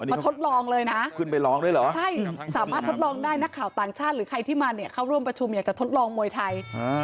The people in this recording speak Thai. ทดลองเลยนะขึ้นไปลองด้วยเหรอใช่สามารถทดลองได้นักข่าวต่างชาติหรือใครที่มาเนี่ยเข้าร่วมประชุมอยากจะทดลองมวยไทย